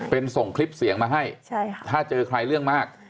เป็นส่งคลิปเสียงมาให้ถ้าเจอใครเรื่องมาก